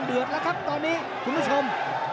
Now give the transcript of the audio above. เดือดแล้วครับตอนนี้คุณผู้ชม